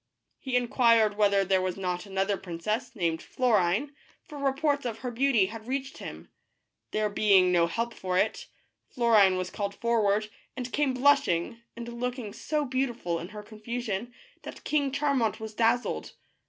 He inquired whether there was not another princess, named Florine, for reports of her beauty had reached him. There being no help for it, Florine was called forward, and came blushing, and looking so beautiful in her confusion, that King Charmant was dazzled.